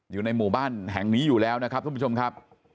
อยู่ในหมู่บ้านแห่งนี้อยู่แล้วนะครับทุกผู้ชมครับ